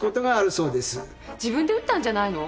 自分で打ったんじゃないの？